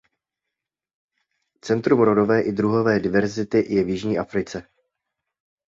Centrum rodové i druhové diverzity je v jižní Africe.